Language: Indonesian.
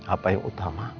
apa yang utama